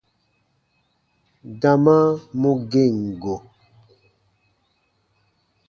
Dama mu gem go.